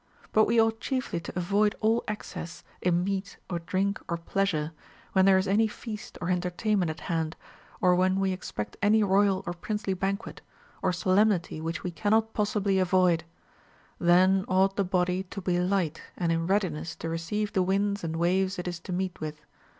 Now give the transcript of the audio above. But we ought chiefly to avoid all excess in meat or drink or pleasure, when there is any feast or en tertainment at hand, or when we expect any royal or princely banquet, or solemnity Avhich we cannot possibly avoid; then ought the body to be light and in readiness to receive the winds and waves it is to meet with.